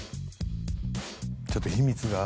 「ちょっと秘密が」